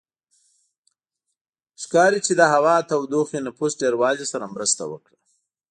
ښکاري چې د هوا تودوخې نفوس ډېروالي سره مرسته وکړه